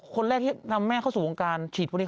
คนแรกที่นำแม่เข้าสู่โปรกรันฉีดคนนี้